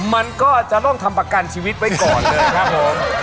มันก็จะต้องทำประกันชีวิตไว้ก่อนเลยครับผม